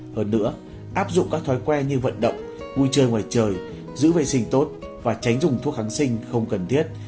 hơn nữa áp dụng các thói quen như vận động vui chơi ngoài trời giữ vệ sinh tốt và tránh dùng thuốc kháng sinh không cần thiết